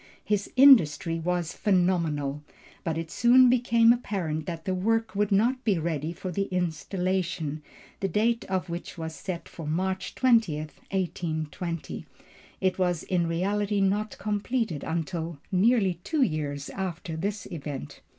His industry was phenomenal, but it soon became apparent that the work would not be ready for the Installation, the date of which was set for March 20, 1820. It was in reality not completed until nearly two years after this event.